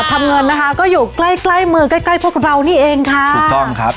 ถูกต้องครับ